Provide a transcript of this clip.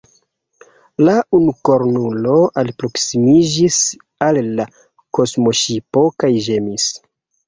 La unukornulo alproskimiĝis al la kosmoŝipo kaj ĝemis.